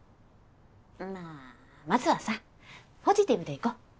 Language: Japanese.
まあまずはさポジティブでいこう。